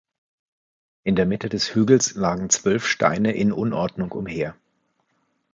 In der Mitte des Hügels lagen zwölf Steine in Unordnung umher.